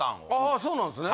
あそうなんですね？